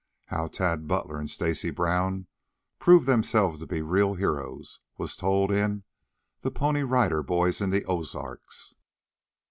How Tad Butler and Stacy Brown proved themselves to be real heroes, was told in "THE PONY RIDER BOYS IN THE OZARKS."